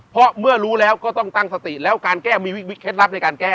เพราะเมื่อรู้แล้วก็ต้องตั้งสติแล้วการแก้มีเคล็ดลับในการแก้